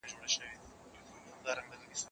چپنه پاکه کړه!؟